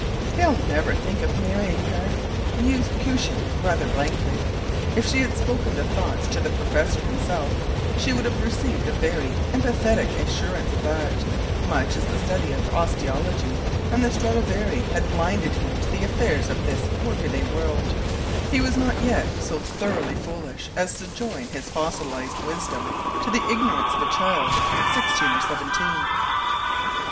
“He’ll never think of marrying her,” mused Koosje, rather blankly. If she had spoken the thoughts to the professor himself, she would have received a very emphatic assurance that, much as the study of osteology and the Stradivari had blinded him to the affairs of this workaday world, he was not yet so thoroughly foolish as to join his fossilised wisdom to the ignorance of a child of sixteen or seventeen.